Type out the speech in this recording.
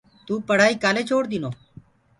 تو پڙهآئي ڪآلي ڇوڙ دينو۔